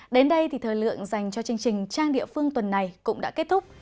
đến đây thì thời lượng dành cho chương trình trang địa phương tuần này cũng đã kết thúc